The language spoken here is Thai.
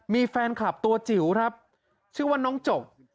มีแฟนคลับตัวจิ๋วครับชื่อว่าน้องจก